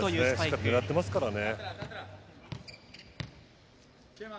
しっかり狙っていますからね。